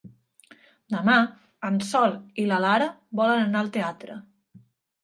Demà en Sol i na Lara volen anar al teatre.